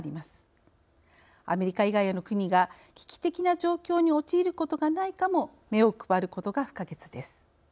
アメリカ以外への国が危機的な状況に陥ることがないかも目を配ることが不可欠です。